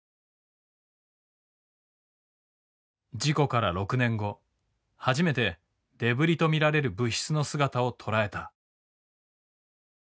事故から６年後初めてデブリと見られる物質の姿を捉えた。